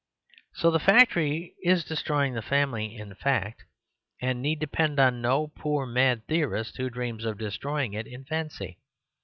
So the factory is de stroying the family in fact; and need depend on no poor mad theorist who dreams of de stroying it in fancy.